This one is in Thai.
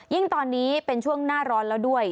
ยิ่งตอนนี้เป็นช่วงหน้าร้อนแล้วด้วย